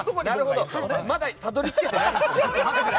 まだたどり着けてないんですね。